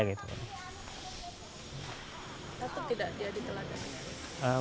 patut tidak dia diterlankan